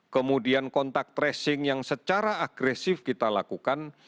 kemudian kontak tracing yang secara agresif kita lakukan